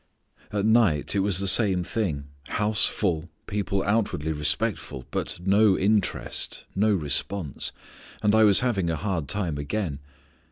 "At night it was the same thing: house full, people outwardly respectful, but no interest, no response. And I was having a hard time again.